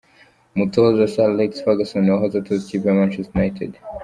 Umutoza Sir Alex Ferguson wahoze atoza ikipe ya Manchester United.